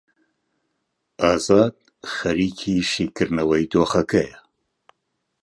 ئازاد خەریکی شیکردنەوەی دۆخەکەیە.